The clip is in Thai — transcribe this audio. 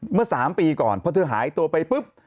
เมื่อ๓ปีก่อนเพราะเธอหายตัวไปปุ๊บ